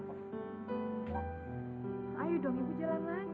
kita berdoa dulu